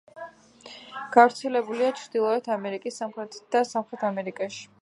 გავრცელებულია ჩრდილოეთ ამერიკის სამხრეთით და სამხრეთ ამერიკაში.